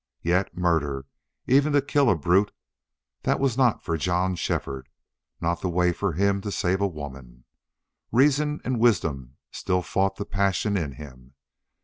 Yet, murder even to kill a brute that was not for John Shefford, not the way for him to save a woman. Reason and wisdom still fought the passion in him.